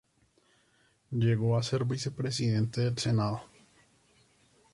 Llegó a ser vicepresidente del senado.